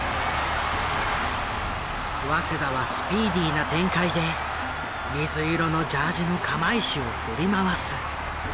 早稲田はスピーディーな展開で水色のジャージの釜石を振り回す。